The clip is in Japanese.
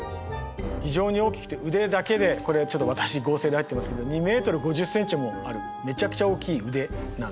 非常に大きくて腕だけでこれちょっと私合成で入ってますけど２ｍ５０ｃｍもあるめちゃくちゃ大きい腕なんですね。